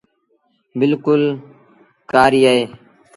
بلڪُل ڪآري اهي۔